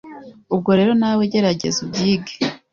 Ubwo rero nawe gerageza ubyige